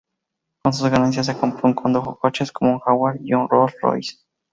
Con sus ganancias, se compró y condujo coches, como un Jaguar y un Rolls-Royce.